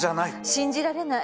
信じられない。